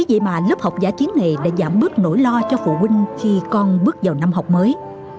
vậy mà lớp học giả chiến này đã giảm bớt nỗi lo cho phụ huynh khi con bước vào năm học mới